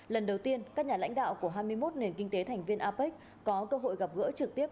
lần đầu tiên các nhà lãnh đạo của hai mươi một nền kinh tế thành viên apec có cơ hội gặp gỡ trực tiếp